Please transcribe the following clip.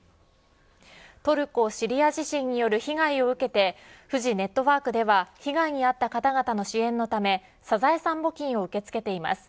トルコ・シリア地震による被害を受けてフジネットワークでは被害に遭った方々の支援のためサザエさん募金を受け付けています。